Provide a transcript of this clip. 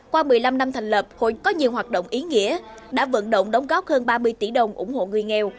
qua một mươi năm năm thành lập hội có nhiều hoạt động ý nghĩa đã vận động đóng góp hơn ba mươi tỷ đồng ủng hộ người nghèo